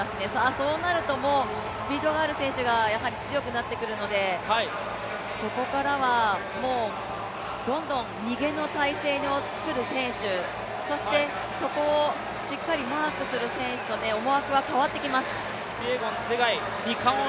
そうなるともう、スピードがある選手が強くなってくるのでここからはもうどんどん逃げの体制を作る選手、そしてそこをしっかりマークする選手と思惑は変わっています。